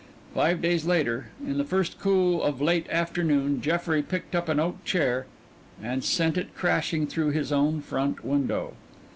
Five days later, in the first cool of late afternoon, Jeffrey picked up an oak chair and sent it crashing through his own front window.